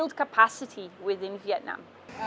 linh vật của núi rừng